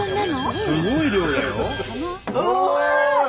すごい量だよ。